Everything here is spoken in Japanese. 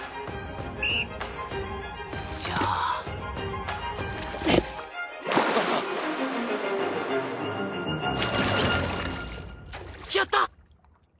じゃああっ！やった！